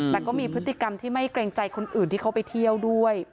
แต่ก็มีพฤติกรรมที่ไม่เกรงใจคนอื่นที่เขาไปเที่ยวด้วย